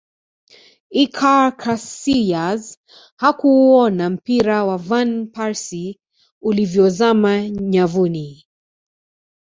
iker casilas hakuuona mpira wa van persie ulivyozama nyavuni